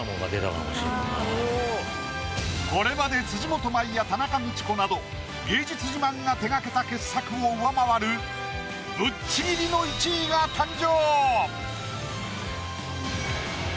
これまで辻元舞や田中道子など芸術自慢が手掛けた傑作を上回るぶっちぎりの１位が誕生！